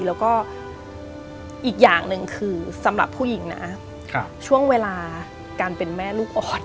แล้วก็อีกอย่างหนึ่งคือสำหรับผู้หญิงนะช่วงเวลาการเป็นแม่ลูกอ่อน